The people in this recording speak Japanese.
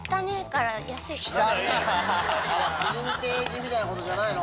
ビンテージみたいなことじゃないの？